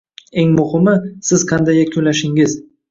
Eng muhimi - siz qanday yakunlashingiz